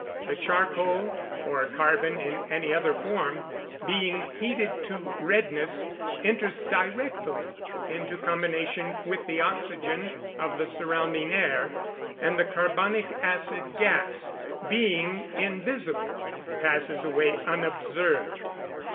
The charcoal (or carbon in any other form) being heated to redness, enters directly into combination with the oxygen of the surrounding air, and the carbonic acid gas, being invisible, passes away unobserved.